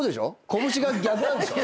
こぶしが逆なんでしょ？